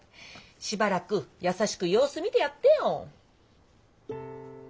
しばらく優しく様子見てやってよ。